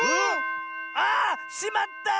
ああっしまった！